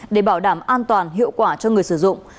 để bảo đảm an toàn hiệu quả cho người sử dụng